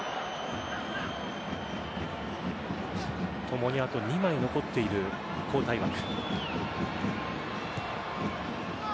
共にあと２枚残っている交代枠。